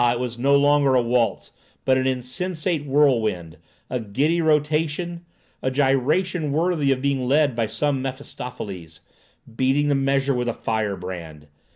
it was no longer a waltz, but an insensate whirlwind, a giddy rotation, a gyration worthy of being led by some Mephistopheles, beating the measure with a firebrand!